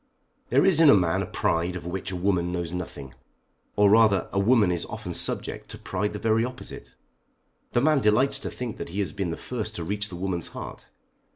There is in a man a pride of which a woman knows nothing. Or rather a woman is often subject to pride the very opposite. The man delights to think that he has been the first to reach the woman's heart.